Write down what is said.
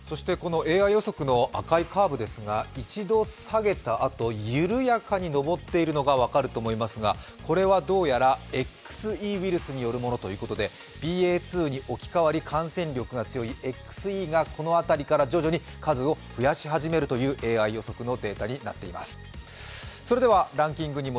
ＡＩ予測の赤いカーブですが、一度下げたあと、緩やかにのぼっているのが分かると思いますがこれはどうやらＸＥウイルスによるものということでＢＡ．２に置き換わり、感染力が強いＸＥがこの辺りから徐々に数を増やすというＡＩ予測になっています。